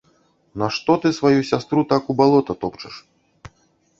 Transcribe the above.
Нашто ты сваю сястру так у балота топчаш?